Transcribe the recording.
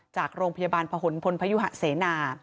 จากโรงพยาบาลผนพลพยุหะเสนา